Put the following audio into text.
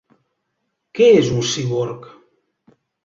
Què és un cíborg?